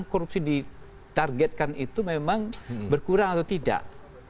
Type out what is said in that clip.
korupsi ditargetkan itu memang berkurang atau tidak